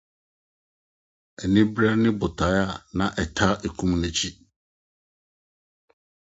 Anibere ne botae a na ɛtaa okum n'akyi.